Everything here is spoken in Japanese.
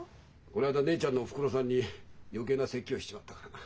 この間ねえちゃんのおふくろさんに余計な説教しちまったからな。